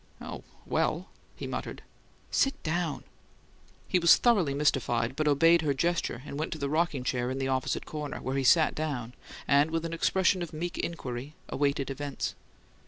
"Oh, well " he muttered. "Sit down!" He was thoroughly mystified, but obeyed her gesture and went to the rocking chair in the opposite corner, where he sat down, and, with an expression of meek inquiry, awaited events.